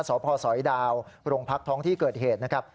สพสดโรงพักษณ์ท้องที่เกิดเหตุนะครับ